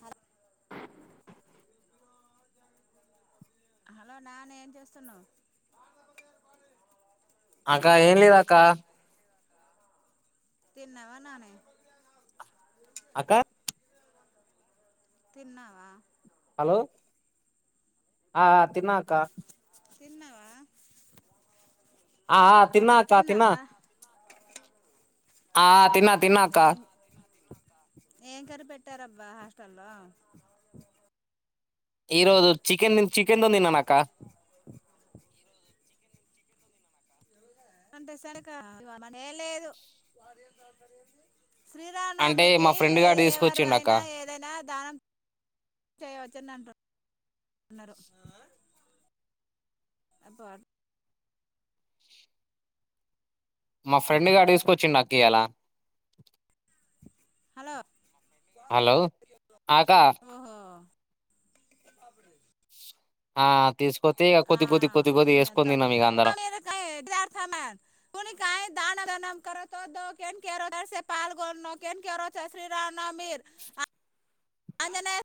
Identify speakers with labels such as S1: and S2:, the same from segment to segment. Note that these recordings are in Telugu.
S1: హ హలో నా న ఏం చేస్తున్నా
S2: అకా ఏంలేదక్క
S1: తిన్నవా నాని
S2: అక్క
S1: తిన్నావా
S2: హలో ఆ తినకా
S1: తిన్నావా
S2: ఆ తిన్నాక తిన్నా
S1: తిన్నావా
S2: ఆ తిన్నా
S1: మ్మ్
S2: తిన్నాకా
S1: ఏం ఏం కర్రీ పెట్టారబ్బా హాస్టల్లో
S2: ఈరోజు చికెన్ చికెన్ తిన్న అక్క
S1: అంటే [unintelligible] ఏం లేదు
S2: అంటే
S1: శ్రీరామనవమికి
S2: మా ఫ్రెండ్ గాడు
S1: ఎవరు
S2: తీసుకొచ్చిండు అక్క
S1: అయినా ఏదైనా దానం చేయవచ్చుని అంటారు న్నరూ అ
S2: మా ఫ్రెండ్ గాడు తీసుకొచ్చిండక్క ఇయలా
S1: హలో
S2: హలో ఆకా
S1: అప్పుడు
S2: ఆ తీసుకొతే ఇగ కొద్ది కొద్ది కొద్ది కొద్ది వేసుకొని తిన్నాం
S1: [unintelligible]
S2: ఇగ అందరం
S1: [inaudible] నామర్ [inaudible] అంజనేయా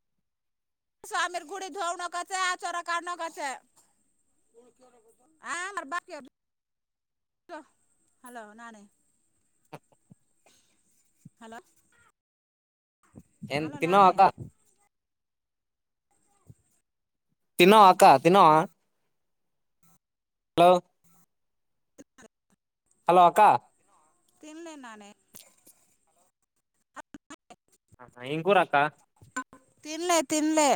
S1: స్వామిీ గుడి ున కచ్చ అచరా కన కచ్చ [unintelligible] హ హలో నాని హలో
S2: ఎ
S1: హలో
S2: తిన్నావా
S1: నానే
S2: అక్క తిన్నావా అక్క తిన్నావా హలో హలో అక్క
S1: తినలే నాని అ [inaudible]
S2: ఏం కూరక్క
S1: తినలే తినలే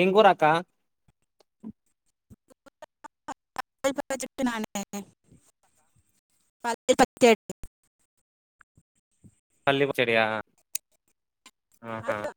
S2: ఏం కూర అక్క
S1: ప చెట్న్నా పేలు పచ్చేడి [unintelligible]
S2: పల్లి పచెడియా ఉమ్ హ్మ్మ్